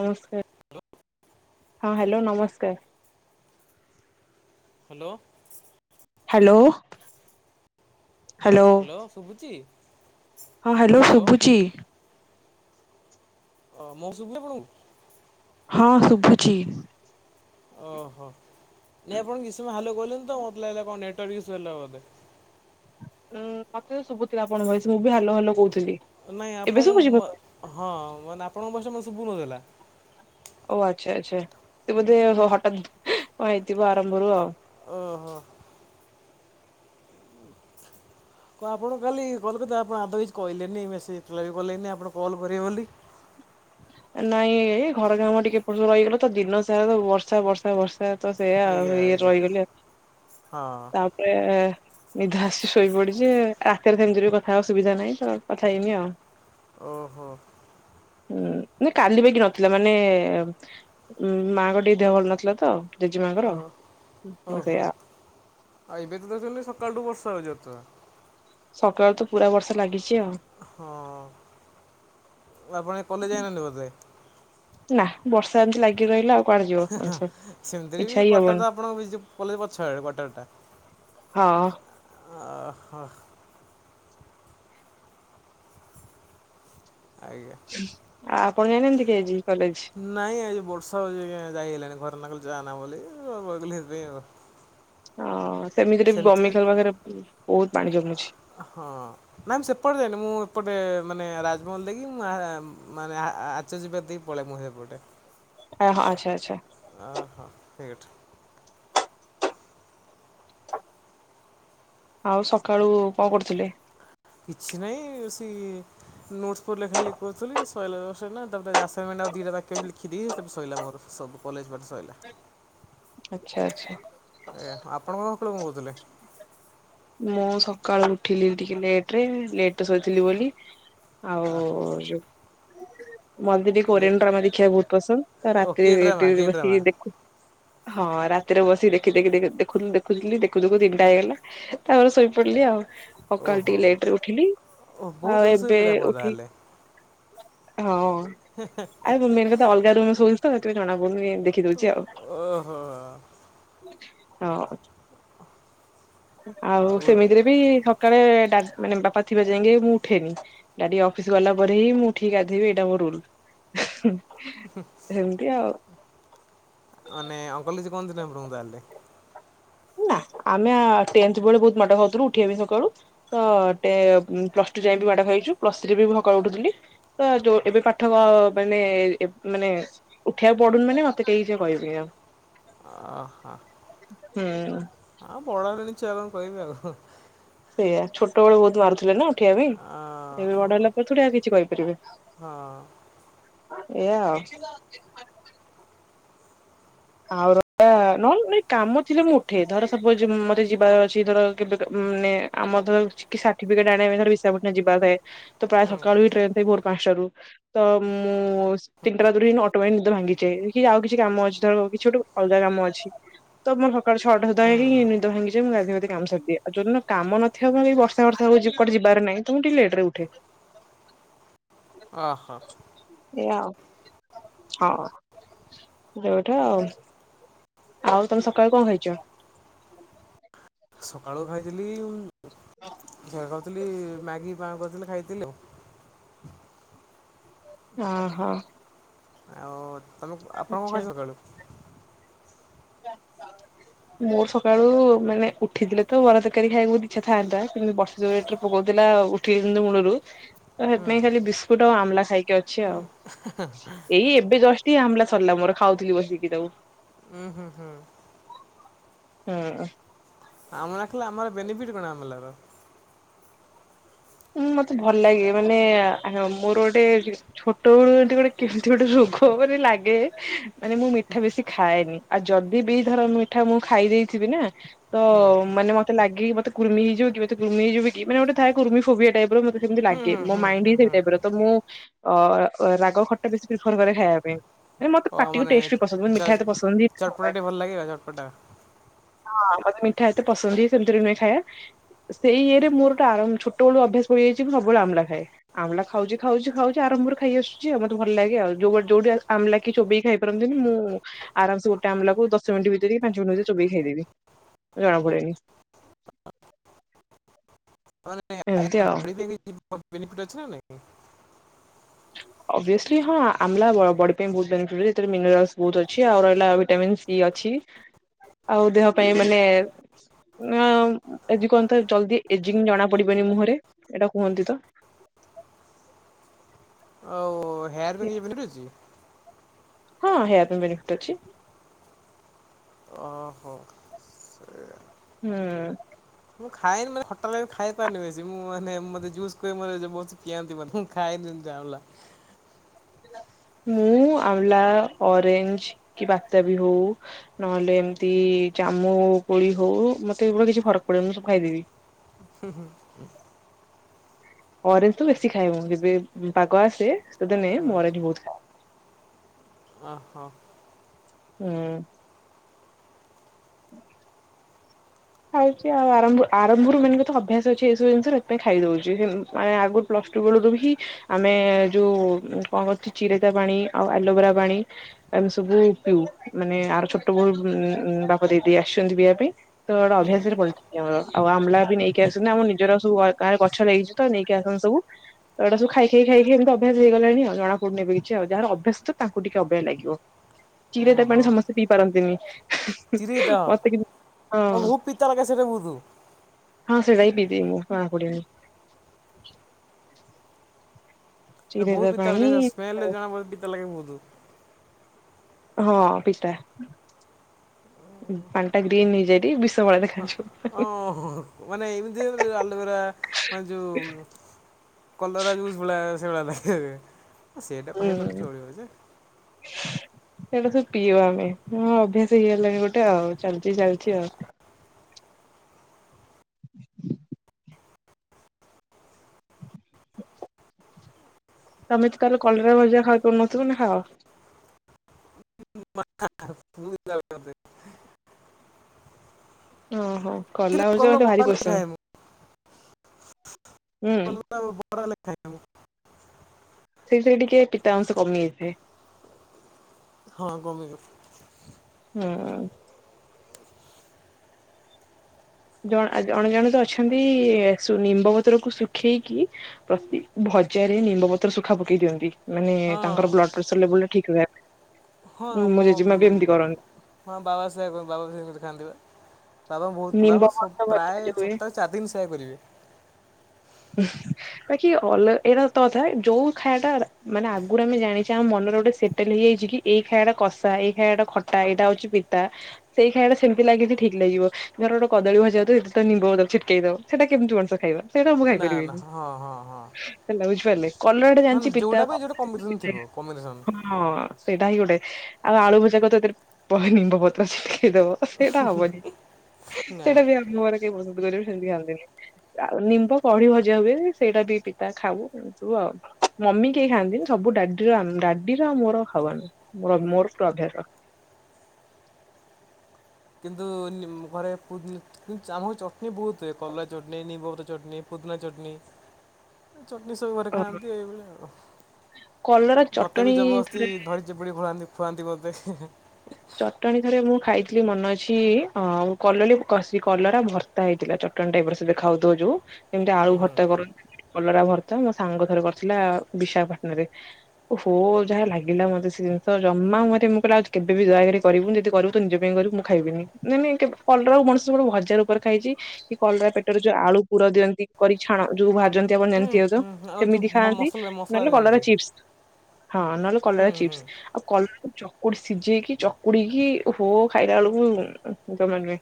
ନମସ୍କାର! ହ୍ୟାଲୋ! ହଁ, ହ୍ୟାଲୋ ନମସ୍କାର। ହ୍ୟାଲୋ! ହ୍ୟାଲୋ! ହ୍ୟାଲୋ! ଶୁଭୁଚି। ହଁ, ହ୍ୟାଲୋ! ଶୁଭୁଚି। ଓ ମଉସୁବିଲି ଆପଣଙ୍କୁ? ହଁ, ଶୁଭୁଛି। ଓହୋ ନାଇ ଆପଣ କିଛି ସମୟ ହ୍ୟାଲୋ କହିଲେ ତ ମୋତେ ଲାଗିଲା ଆପଣଙ୍କ ନେଟୱାର୍କ ଇସ୍ୟୁ ହେଲା ବୋଧେ। ଉଁ ମତେ ତ ଶୁଭୁଥିଲା ଆପଣଙ୍କ ଭଏସ ମୁଁ ବି ହ୍ୟାଲୋ ହ୍ୟାଲୋ କହୁଥିଲି। ନାଇଁ ଏବେ ଶୁଭୁଛି ମୋ ଆପଣଙ୍କ ଭଏସ୍ ହଁ ମାନେ ଆପଣଙ୍କ ଭଏସ ଟା ମୋତେ ଶୁଭୁ ନଥିଲା। ଓ ଆଚ୍ଛା! ଆଚ୍ଛା! ସେ ବୋଧେ ହଠାତ୍ କଣ ହେଇଥିବ ଆାରମ୍ଭରୁ ଆଉ ଓ ହୋ! କଣ ଆପଣ କାଲି କଲ ଆପଣ ଆଦ୍ୟୁ କିଛି କହିଲେନି ମେସେଜ ରିପଲାଏ କଲେନି ଆପଣ କଲ୍ କରିବେ ବୋଲି ନାଇଁ ଏଇ ଘର କାମ ଟିକେ ପଡି ରହିଗଲା ତ ଦିନ ସାରା ତ ବର୍ଷା! ବର୍ଷା! ବର୍ଷା! ସେଇଆ ପା ସେୟା ଆଜ୍ଞା ଆଉ ଇଏ ଆଜ୍ଞା ରହିଗଲି ହଁ ତାପରେ ନିଦ ଆସିଚି ଶୋଇ ପଡିଛି ରାତିରେ ସେମିତିରେ ବି କଥା ହବା ସୁବିଧା ନାହିଁ ତ କଥା ହେଇନି ଆଉ ଓ ହୋ! ହୁଁ ନାଇ କାଲି ପାଇକି ନଥିଲା ମାନେ ଉ ମାଆଙ୍କ ଟିକେ ଦେହ ଭଲ ନଥିଲା ତ ଜେଜେମାଙ୍କର ଓ ଓ ହଁ ହୋ ସେଇଆ ଆଉ ଏବେ ତ ଦେଖୁଛନ୍ତି ସକାଳଠୁ ବର୍ଷା ଯେତ ସକାଳୁତ ପୁରା ବର୍ଷା ଲାଗିଚି। ହଁ, ଆପଣ ଆଜି କଲେଜ ଯାଇନାହାନ୍ତି ବୋଧେ ନା ବର୍ଷା ଏମିତି ଲାଗି ରହିଲା ଆଉ କୁଆଡେ ଯିବ ହେ ହ ମଣିଷ ସେମିତିରେ ବି ଇଚ୍ଛା ହିଁ କ୍ଟର ହବନି ତ ଆପଣଙ୍କ ପେଇ କଲେଜ ପଛ ଆ କୁଆ ଟର ଟା ହଁ ହହ ଆଜ୍ଞା ଆଉ ଆପଣ ଯାଇନାହାନ୍ତି କି ଆଜି? କଲେଜ? ନାଇଁ ଆଜି ବର୍ଷା ହଉଛି ଆଜ୍ଞା ଯାଇ ହେଲାଣି ଘରେ ନା କଲି ଜାନା ବୋଲି ଉ କହୁଥିଲେ ହଁ ସେମିତିରେ ବି ବମି ଖାଲ ପାଖରେ ବହୁତ ପାଣି ଜମୀ ହଁ ନାଇ ମୁଁ ସେପଟେ ଯାଇନି ମୁଁ ଏପଟେ ମାନେ ରାଜମହଲ ଦେଇକି ମୁ ମାନେ ଆ ଆଚର୍ ଯିବା ଦେଇକି ପଳେଇ ମୁଁ ସେପଟେ ଆ ହ ଆଚ୍ଛା ଆଚ୍ଛା ଓ ହୋ ଠିକ ଅଠ ଆଉ ସକାଳୁ କଣ କରୁଥିଲେ? କିଛି ନାଇଁ ସେ ନୋଟ ପ ଲେଖା ଲେଖି କରୁଥିଲି ସଇଲାତ ସଇଲା ତା ପରେ ରାସ ମା ଆଉ ଦିଟା ବାକି ଅଛି ଲେଖିଦି ସେ ସୋଇିଲା ମୋର ସବୁ କଲେଜ ପାଠ ସଇଲା ଆଚ୍ଛା ଆଚ୍ଛା ଏା ଆପଣଙ୍କଣ କଳ କଣ କହୁଥିଲେ? ମୁଁ ସକାଳୁ ଉଠିଲି ଟିକେ ଲେଟ ରେ ଲେଟ ସୋଇଥିଲି ବୋଲି। ଆଉ ଜୁ ମତେ ଟିକେ ଲେ କୋରିଆନ୍ ଡ୍ରାମା ଦେଖିବାକୁ ବହୁତ ପସନ୍ଦ ତା ଓ କି ରାତିରେ ଡ୍ରାମା ଟି କି ଡ୍ରାମା ବସିକି ଦେଖୁ ହଁ ରା ତିରେ ବସିିକି ଦେଖି ଦେଖି ଦେଖୁ ଦେଖୁଥିଲି ଦେଖୁ ଦେଖୁ ତିନିଟା ହେଇଗଲା ତାପରେ ଶୋଇପଡିଲି ଆଉ ସକାଳ ଓହୋ ଟିକେ ଲେଟରେ ଉଠିଲି ଓ ବହୁତ ଆଉ ଜଲ୍ଦି ଏବେ ଶୋଇପଡ଼ିଲେ ଆପଣ ଉଠି ତାହେଲେ ହଁ ଆରେମେନ୍ କଥା ଅଲଗା ରୁମ ଶୋଇଛି ତ ସେଥିପାଇ ଜଣା ପଡୁନି ଏ ଦେଖିଦଉଛି ଆଉ। ଓହୋ ହଁ ଆଉ ସେମିତିରେ ବି ସକାଳେ ଡା ମାନେ ବାପା ଥିବା ଯାଇକେ ମୁଁ ଉଠେନି ଡାଡି ଅଫିସ ଗଲା ପରେ ହିଁ ମୁଁ ଉଠିକି ଗାଧେଇବି ଏଇଟା ମୋର ରୁଲ ହୁ ସେମତି ଆଉ ଆନେ ଅଙ୍କଲ କିଛି କହନ୍ତିନି ଆପଣଙ୍କୁ ତାହେଲେ ନା ଆମେ ଟେନ୍ଥ ବେଲୁ ବହୁତ ମାଡ଼ ଖାଉଥିଲୁ ଉଠିବା ବି ସକାଳୁ ତ ଟେ ଉ ପ୍ଲସ ଟୁ ଯାଏ ବି ବାଡ ଖାଇଚୁ ପ୍ଲସ ଥ୍ରି ରେ ବି ମୁଁ ସକାଳେ ଉଠୁଥିଲି ତ ଯୋଉ ଏବେ ପାଠ କ ମାନେ ମାନେ ମେସେ ଉଠିବାକୁ ପଡୁନି ମାନେ ମତେ କେହି ଯ କହିବେ ଆଉ ଅ ହ ହୁଁ ହ ବଡ଼ଣି ଚ କହିବ ସେଇଆ ଛୋଟବେଳୁ ବହୁତ ମାରୁଥିଲେ ନା ଉଠିବା ପାଇଁ ଏବେ ହଁ ବଡହେଲା ପ ଥୁ କିଛି କହିପାରିବେ ଏୟା ଆଉ ଆଉ ର ନହେଲେ କାମ ଥିଲେ ମୁଁ ଉଠେ ଧର ସବୁ ଏ ଯୋମତେ ଯିବାର ଅଛି ଧର କେବେ କେ ମାନେ ଆମର ଧ ଛି କି ସାର୍ଟିଫିକେଟ ଆଣିବା ପାଇଁ ଧର ବିଶାଖା ପାଟଣା ଯିବାର ଥାଏ ତ ପ୍ରାୟ ହୁଁ ସକାଳୁ ବି ଟ୍ରେନ୍ ଥାଏ ଭୋର୍ ପାଞ୍ଚଟା ରୁ ତ ମୁଁ ତିନିଟା ଧରି ଅଟୋମେଦ ଭାଙ୍ଗିଚେ କି ଆଉ କିଛି କାମ ଅଛି। ଧର କିଛି ଗୋଟୁ ଅଲଗା କାମ ଅଛି। ତ ମୋର ସକାଳେ ଛଅଟ ହୁଁ ସୁଧାହିଁଇ ନିଦ ଭାଙ୍ଗିଯାଏ ମୁଁ ଗାଧି ପାଧେଇ କାମ ସାରିଦିଏ ଆଉ ଯୋଉ ଦିନକାମ ନଥିବ କ କେହିବର୍ଷା ବର୍ଷା କଟେ ଯିବାର ନାାଇଁ ତମ ଟିକେ ଲେଟ ରେ ଉଠେ ଓ ହୋ ଏଇଆଉ ହଁ ଯୋଉଠୁ ଆଉ ଆଉ ତମେ ସକାଳୁ କଣ ଖାଇଛ ସକାଳୁ ଖାଇଥିଲି ହଁ ଥିଲ ମଗି ପା କର ଖାଇଥିଲି ଆଉ ହ ହୋ ଆଉ ତମେ ଆପଣଙ୍କଣ କ ସକାଳୁ [inaudible] ମୁଁ ସକାଳୁ ମାନେ ଉଠିଥିଲେ ତ ବରା ତରକାରୀ ଖଇବାକୁ ଇଚ୍ଛା ଥାନ୍ତା କିମିତି ବର୍ଷଉ ଯାଉ ରେଟ ରେ ପକଉଚି ଉଠେଇ ମୂଳରୁ ତ ସେଥିପାଇଁ ଖାଲି ବିସ୍କୁଟ ଆଉ ଆମ୍ଲା ଖାଇକି ଅଛି ଆଉ। ଏଇ ଏବେ ଜଷ୍ଟ ଆମ୍ଲା ସରିଲା ମୋର ଖାଉଥିଲି ବସିକି ତାକୁ। ଉଁ ହୁଁ ହଁ। ଆମ୍ଲାଖାଇଲେ, ଅମ୍ଲା ର ବେନିଫିଟ କଣ ଆମ୍ଲା ର। ହଁ ମତେ ଭଲ ଲାଗେ ମାନେ ମୋର ଗୋଟେ ଛୋଟ ବେଳୁ ଏ ଗୋଟେ କେମିତି ଗୋଟେ ଖନ ଲାଗେ ମାନେ ମୁଁ ମିଠା ବେଶି ଖାଏନି। ଆଉ ଯଦି ବି ଧର ମିଠା ମୁଁ ଖାଇ ଦେଇେଇଥିବି ନା, ତ ମାନେ ମତେ ଲାଗିକି ମତେ କୁର୍ମି ହେଇଯିବ। କି ମୋତେ କୁର୍ମି ନେଇଯିବ କି? ମାନେ ଗୋଟେ ଥାଏ କୁର୍ମୀ ମୋତେ ସେମିତି ଲାଗେ ମୁଁ ମାଇଣ୍ଡ ହିଁ ସେ ଅ-ଅ ରାଗ ଖଟା ବେଶୀ ପ୍ରେପର କରେ। ଖାଇବା ପାଇଁ। ମତେ ଅ ପାଟିକୁ ମାନେ ଟେଷ୍ଟ ବି ପସନ୍ଦ ହୁଏ, ମିଠା ଚ ଏତେ ପସନ୍ଦ ଚଟପଟା ହୁଏ। ଟିକେ ଭଲ ଲାଗିବ ଚଟପଟା ହଁ ମୋତେ ମିଠା ଏତେ ପସନ୍ଦ ହୁଏ। ସେମିତିରେ ନୁହେ ଖାଇବା। ସେଇ ଇଏରେ ମୋର ଟେ ଆର ଛୋଟବେଳ ଅଭ୍ୟାସ ପାଲେଇଆଇଛି ସବୁବେଳେ ଆମ୍ଳା ଖଏ ଆମ୍ଳା ଖାଉଛି ଖାଉଛି ଖାଉଛି ଆ ମୋର ଖାଇ ଆସୁଛି ଆଉ ମତେ ଭଲ ଲାଗେ ଆଉ ଯୋଉ ଯୋଉଠି ଆମ୍ଲା କି ଚୋବେଇି ଖାଇପାରନ୍ତି ନି ମୁଁ ଆରାମସେ ଗୋଟା ଅମଲାକୁ ଦଶ ମିନିଟ ଭିତରେ ପାଞ୍ଚ ମିନଟ ଭିତରେ ଚୁବେଇ ଖାଇଦେବି ଜଣାପଡେନି। ମାନେ ଏମିତି ଆଉ। ବଡି ପାଇଁ କିଛି ବେନିଫିଟ୍ ଅଛି ନା ନାଇଁ? ଅଭିଅସ୍ଲି ହଁ ଅମଲା ବଡି ପାଇଁ ବହୁତ ବେନିଫିଟ ଏଥିରେ ମିନେରାଲ ବହୁତ ଅଛି ଆଉ ରହିଲା ଭିଟାମିନ। ଅଛି ଆଉ ଦେହ ପାଇଁ ମାନେ ନା ଏଜିଂ କୁହନ୍ତତା ଜଲଦି ଏଜିଂ କି ଜଣା ପଡିବନି ମୁହଁରେ ଏଇଟା କୁହନ୍ତି ତ। ଆଉ ହେୟାର ପାଇ କିଛି ବେନିଫିଟ୍ ଅଛି? ହଁ ହେୟାର ପାଇଁ ବେନିଫିଟ୍ ଅଛି। ଓହୋ। ହୁଁ। ମୁଁ ଖାଇନି ମାନେ ଖଟା ଲାଗେ ଖାଇପାରେନି ବେଶୀ ମୁଁ ମାନେ ମତେ ଜୁସ୍ କୁହ ମୋ ବ ପିଆନ୍ତି ମାନେ ମୁ ଖାଇନି। ଯା ଉ ଲା। ହୁଁ। ମୁଁ ଅମଲା ଅରେ୍ଜ କି ବାତାବି ହଉ ନହେଲେ ଏମତି ଜାମୁ ହଉ କୋଳି ହଉ ମତେ ଏଗୁଳିା କିଛି ଫରକ ପଡେନି ମୁଁ ସବୁ ଖାଇଦେବି। ହୁଁ ହୁଁ। ଅରେଞ୍ଜ ତ ବେଶୀ ଖାଏ ମୁ ଯେବେ ପାଗ ଆସେ ଶୀତ ଦିନେ ମୁଁ ଅରେଞ୍ଜ ବହୁତ ଖାଏ। ଓ ହୋ। ହୁଁ। ଖାଉଛି ଆଉ ଆରଭ ଆରମ୍ଭରୁ ମାନେ ଅଭ୍ୟାସ ଅଛି ଏସବୁ ଜିନିଷ ସେଥିାଇଁ ଖାଇଦଉଛି ଆଗରୁ ପ୍ଳ ଟୁ ବେଳରୁ ହିଁ ଆମେ ଯୋଉ କଣ କରୁଛି ଚିରେତା ପାଣି ଆଉ ଆଲୋଭେରା ପାଣି ଆମେ ସବୁ ପିଉ ମାନେ ଆର ଛୋଟ ବୋଉ ବାପା ଦେଇଦେଇ ଆସିଛନ୍ତି ପିଇବା ପାଇଁ ତ ଏଡା ଅଭ୍ୟାସରେ ଆଉ ଆମ୍ଳା ବି ନେଇକି ଆସ ଆମର ନିଜର ସବୁ ଗାଁରେ ଗଛ ଲାଗିଛି ତ ନେଇକି ଆସ ହଉ। ତଇଟା ସବୁ ଖାଇ ଖାଇ ଏମିତି ଅଭ୍ୟାସ ହେଇଗଲାଣି ଆଉ ଜଣା ପଡୁନେ କିଛି ଆଉ ଯାହାର ଅଭ୍ୟାସ ତ ତାଙ୍କୁ ଟିକେ ଅବାଗିୟା ଲାଗିବ। ଚିରେ ତା ପାଣି ଓହୋ ସମସ୍ତେ ପିଇ ପାରନ୍ତିନି ମତେ କିଛି ଓଉ ଭହୁତ ପିତା ଲାଗେ ସେଇଟା ବହୁତ୍ ହଁ ସେଡ଼ା ବି ପିଇ ଦିଏ ମୁଁ ଜନାପଡ଼ିବନି। ବହୁତ ପିତା ପାଣି ଲାଗେ ସ୍ମେଲରୁ ଜଣା ପିତା ଲାଗେ ବହୁତ। ହଁ ପିତା ପାଣିଟା ଗ୍ରୀନ୍ ହେଇଯାଏ। ଭଳିଆ ଦେଖାଯିବ। ଓହୋ ମାନେ ଏମିତି ଅଲ୍ବେର ମାନେ ଯୋଉ କଲରା ଯୁସ ବଳିଆ ସେଇବଳିଆ ଲାଗେ। ହୁଁ। [unintelligible] ସେଇଟା ସବୁ ପିଉ ଆମେ। ହଁ ଅଭ୍ୟାସ ହେଇଗଲାଣି ଗୋଟେ ଆଉ ଚାଲିଛି ଚାଲିଛି ଆଉ। [inaudible] [inaudible] [inaudible] ତମେ ତ ତାହେଲେ କଲରା ଭଜା ଖାଇପାରୁନଥିବ ନା ଖାଅ? [unintelligible] ଓହୋ କିନ୍ତୁ କଲରା ହଉଛି ମତେ ବରା ଭାରି ହେଲେ ପସନ୍ଦ। ଖାଏ ମୁଁ। ହୁଁ [unintelligible] ସେଇଥିରେ ଟିକେ ପିତା ଅଂଶ କମି ଯାଇଥାଏ। ହଁ କମିବ। ହଁ ଆଉ ଜଣ ଜଣେ ଜଣେ ତ ଅଛନ୍ତି, ନିମ୍ବ ପତ୍ରକୁ ଶୁଖେଇକି ପ୍ରତି ଚେରି ନିମ୍ବପତ୍ର ଶୁଖା ପକେଇ ଦିଅନ୍ତି। ମାନେ ହଁ ତାଙ୍କର ବ୍ଲଡ ପ୍ରେସର ଲେବୁଲ ଟା ଠିକ୍ ରୁହେ। ହଁ ମୋ ମମ୍ ଜିମା ବି ଏମିତି କରନ୍ତି। ହଁ ବାବା ସାହେବ୍ ବାବା [unintelligible] ଖାନ୍ତି ବା ବାବା ବହୁତ ନିମ୍ବ ବାବା ପତ୍ର ଭଜା ପ୍ରାୟ ଯୋଉ ହୁଏ ସପ୍ତାହ ଚାରି ଦିନ ସେୟା କରିବେ। [unintelligible] ବାକି ଅଲ ଏଟ ତଥା ଯୋଉ ଖାଇବା ଟା ମାନେ ଆଗରୁ ଆମେ ଜାଣିଛେ ଆମ ମନରେ ଗୋଟେ ସେଟଲ ହେଇଯାଇ କି ଏଇ ଖାଇବାଟା କଷା, ଏଇ ଖାଇଟା ଖଟା, ଏଇଟା ହଉଛି ପିତା ସେଇ ଖାଇବା ଟା ସେମିତି ଲାଗିଛି ଠିକ ଲାଗିବ। ଘର ଗଟେ କଦଳୀ ଭଜା ଏ ତ ନିମ୍ବ ଦବ ଛିଟକେଇ ଦବ। ସେଟା କେମିତି ମଣିସ ଖାଇବା ସେଇଟା [unintelligible] ନା ନା ହଁ ହଁ ହଁ ମାନେ ଯୋଉଟା ପାଇଁ ଯୋଉଟା କମ୍ବିନେସନ୍ ଥିବ କମ୍ବିନେସନ୍। ହଁ ସେଇଟା ହିଁ ଗୋଟେ ଆଉ ଆଳୁ ଭଜା କ ତ ଏଥିରେ ନିମ୍ବ ପତ୍ର ଅଛି। ଦବ ସେଇଟା ହବନି। ନା ସେଇଟା ବି ଆମ ଘର କେହି ପସନ୍ଦ କରିବେ। ଦିଅନ୍ତିନି। ଆଉ ନିମ୍ବ ବଢି ଭଜା ହୁଏ ସେଇଟା ବି ପିତା ଖାଉ। ଆଉ ମମି କେହି ଖାଆନ୍ତିନି ସବୁ ଡାଡିର ଡାଡିର ଆଉ ମୋର ଖାଉ ଆମେ। ମୋର ମୋର ପୁରା ଅଭ୍ୟାସ। [inaudible] କିନ୍ତୁ ଘରେ ଚଟଣିୀ ବହୁତ ହୁଏ, କଲରା ଚଟଣିୀ, ନିମ୍ବପତ୍ର ଚଟଣିୀ। ପୁଦିନା ଚଟଣିୀ, ଚଟଣିି ସବୁ ଘରେ ଓହୋ ଖାଆନ୍ତି ଏଇଭଳିଆ କଲରା ଆଉ। ମତେ ବି ଚଟଣି ଜବରଦସ୍ତି ଥରେ ଧରିଚି ପୁଡି ଭଳାନ୍ତି [unintelligible] ଚଟଣିୀ ଥରେ ମୁଁ ଖାଇଥିଲି ମନେ ଅଛି ଅ କଲରା ଭର୍ତ୍ତା ହେଇଥିଲା। ମଟନ ଟାଇପ ରସ ଦେଖାଉଥିବ ଯୋଉ ଯେମତି ହୁଁ ଆଳୁ ହୁଁ ଭର୍ତା କର, କଲରା ଭର୍ତା ମୋ ସାଙ୍ଗ ଥରେ କରିଥିଲା। ବିଶାଖାପାଟଣଆ ରେ। ହୋ ଯାହା ଲାଗିଲା ମତେ ସେ ଜିନିଷ ଜମା ମୁହଁରେ ମୁଁ କହିଲି ଆଉ କେବେ ବି ଦୟାକରି କରିବୁ ଯଦି କରିବୁ ତ ନିଜ ପାଇଁ କରିବୁ ମୁଁ ଖାଇବିନି। ନାଇ ନାଇ କଲରାକୁ ମଣିଷ ଗୋଟେ ଭଜା ରୂପରେ ଉପରେ ଖାଇଛି। କି କଲରା ପେଟରେ ଯୋଉ ଆଳୁ ପୁର ଦିଅନ୍ତି କରି ଛାଣ ଯୋଉ ଭାଜନ୍ତି ଆଉ ହୁଁ ଅନ୍ୟାନ୍ୟ ହୁଁ ହୁଁ ଆଉ ଯୋଉ ସେମିତି ମ ଖାଆନ୍ତି ମସଲା ମସଲା ନହେଲେ କଲରା ଦିଅନ୍ତି। ଚିପ୍ସ। ହଁ ନହେଲେ ହୁଁ କଲରା ହୁଁ ଚିପ୍ସ। ଆଉ କଲରା ଚକୁଡ଼ି ସିଝେଇକି ଚକୁଡିକି ହୋ ଖାଇଲା ବେଳକୁ ଜମା ନୁହେଁ।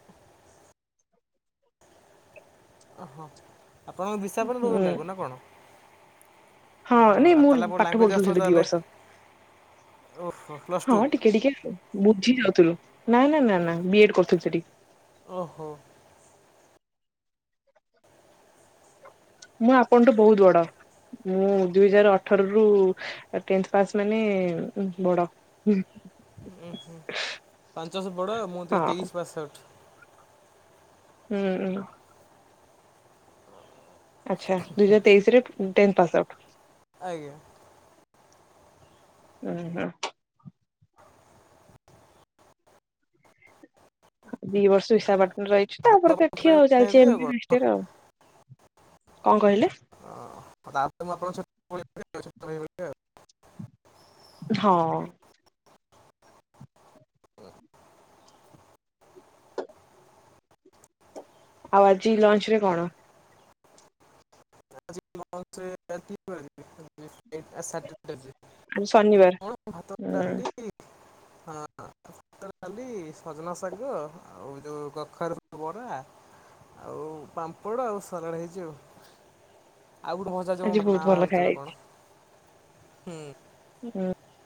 [inaudible] ଆପଣଙ୍କ ହୁଁ [unintelligible] ନା କଣ? ହଁ ଓହୋ ନାଇଁ ଆଉ ମୁଁ ତାହେଲେ ଆପଣ ପାଠ ଲାଙ୍ଗୁଏଜ ପଢୁଥିଲି ଆସୁଥିବ ସେଠି ଦି ତାହେଲେ। ବର୍ଷ। ଓହୋ ପ୍ଲସ୍ ଟୁ ହଁ ଟିକେ ଟିକେ ବୁଝି ଯାଉଥିଲୁ। ନା ନା ନା ନା ବିଏଡ୍ କରୁଥିଲି ସେଠି। ଓହୋ। ମୁଁ ଆପଣଠୁ ବହୁତ ବଡ। ମୁଁ ଦୁଇ ହଜାର ଅଠର ରୁ ଟେନ୍ଥ୍ ପାସ୍ ମାନେ ବଡ। ହୁଁ ହୁଁ। ପାଞ୍ଚ ବର୍ଷ ବଡ। ମୁଁ ଦୁଇହଜାର ହଁ ତେଇଶ ପାସ୍ଆଉଟ୍। ହୁଁ ହୁଁ। ଆଛା ଦୁଇହଜାର ତେଇଶି ରେ ଟେନ୍ଥ ପାସ୍ ଆଉଟ। ଆଜ୍ଞା। ହୁଁ ହୁଁ। ଉ ଦି ବର୍ଷ [unintelligible] ହିସା ବାଟଣରେ [unintelligible] ରହିଛୁ ତାପରେ ଏଠି ଆଉ ଚାଲିଛି ହେବି ଆଉ ଏମିତି କଣ। [unintelligible] ରାରେ [unintelligible] ଆଉ। କଣ କହିଲେ? [unintelligible] ତାରେ ମୁ ଆ। [unintelligible] ହଁ। ଆଉ ଆଜି ଲଞ୍ଚ୍ ରେ କଣ? ଲଞ୍ଚ୍ ରେ [unintelligible] [unintelligible] ଟ କଣ ଆଜି ଶନିବାର ଭାତ ହୁଁ ଡାଲିିଲ ହଁ। [unintelligible] ଡାଲି, ସଜନା ଶାଗ ଆଉ ଯୋଉ କଖରୁ ବରା। ଆଉ ପାମ୍ପଡ଼ ଆଉ ସାଲାଡ଼ ହେଇଛି ଆଉ। ଆଉ ଗୋଠେ [unintelligible] ମଜାଛିବ ଆଜି ମତେ ବହୁତ ମାଁ ଭଲ ବାହାରୁଛି [unintelligible] ତ ଖାଇବା କଣ ହୁଁ। ହୁଁ।